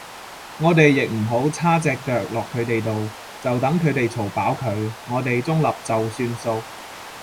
我哋亦唔好叉隻腳落佢哋度，就等佢哋嘈飽佢，我哋中立就算數